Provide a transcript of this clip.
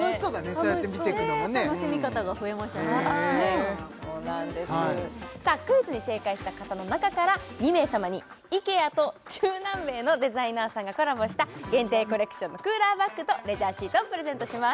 そうやって見ていくのもね楽しみ方が増えましたそうなんですさあクイズに正解した方の中から２名様にイケアと中南米のデザイナーさんがコラボした限定コレクションのクーラーバッグとレジャーシートをプレゼントします